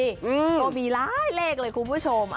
ก็มีหลายเลขเลยคุณผู้ชม